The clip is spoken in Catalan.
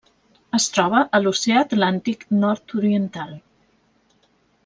Es troba a l'Oceà Atlàntic nord-oriental: